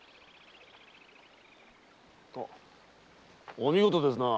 お見事ですな。